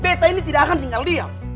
peta ini tidak akan tinggal diam